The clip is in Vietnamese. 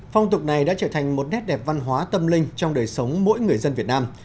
phong tục này đã trở thành một nét đẹp văn hóa tâm linh trong đời sống mỗi người dân việt nam